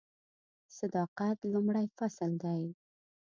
صداقت لومړی فصل دی .